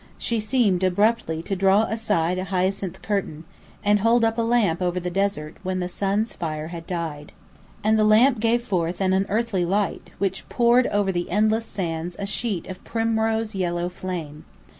She seemed abruptly to draw aside a hyacinth curtain, and hold up a lamp over the desert, when the sun's fire had died. And the lamp gave forth an unearthly light, which poured over the endless sands a sheet of primrose yellow flame.